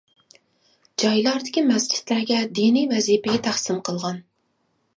جايلاردىكى مەسچىتلەرگە دىنىي ۋەزىپىگە تەقسىم قىلغان.